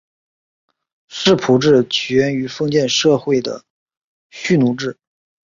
世仆制起源于封建社会的蓄奴制。